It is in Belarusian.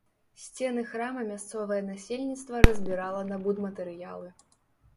Сцены храма мясцовае насельніцтва разбірала на будматэрыялы.